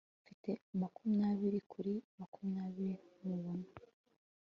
mfite makumyabiri kuri makumyabiri mubona